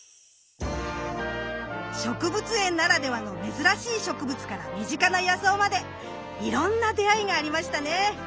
植物園ならではの珍しい植物から身近な野草までいろんな出会いがありましたね。